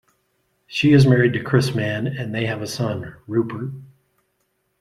She is married to Chris Mann and they have a son, Rupert.